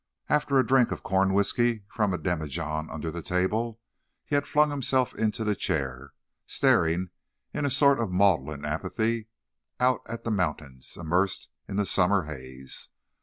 After a drink of corn whiskey from a demijohn under the table, he had flung himself into the chair, staring, in a sort of maudlin apathy, out at the mountains immersed in the summer haze.